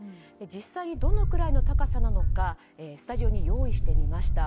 実際、どのくらいの高さなのかスタジオに用意してみました。